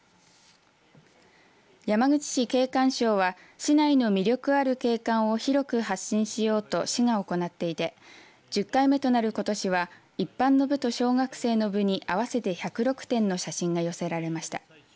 山口市景観賞は市内の魅力ある景観を広く発信しようと市が行っていて１０回目となることしは一般の部と小学生の部に合わせて１０６点の写真が寄せられました。